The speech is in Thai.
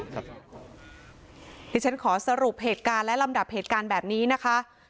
เดี๋ยวฉันขอสรุปเหตุการณ์และลำดับเหตุการณ์แบบนี้นะคะ